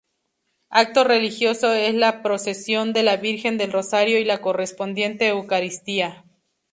Acto religioso es la procesión de la Virgen del Rosario y la correspondiente Eucaristía.